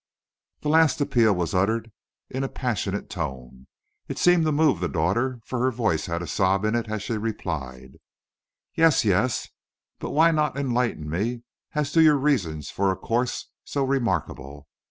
The last appeal was uttered in a passionate tone. It seemed to move the daughter, for her voice had a sob in it as she replied: "Yes, yes; but why not enlighten me as to your reasons for a course so remarkable?